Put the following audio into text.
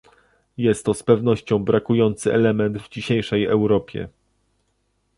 Jest to z pewnością brakujący element w dzisiejszej Europie